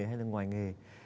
hay là ngoài nghề